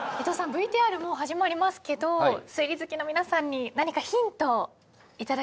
ＶＴＲもう始まりますけど推理好きの皆さんに何かヒント頂けますか？